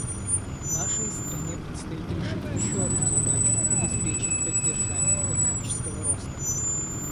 Нашей стране предстоит решить еще одну задачу — обеспечить поддержание экономического роста.